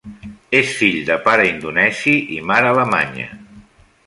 És fill de pare indonesi i mare alemanya.